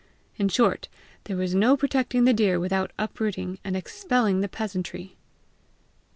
In short, there was no protecting the deer without uprooting and expelling the peasantry!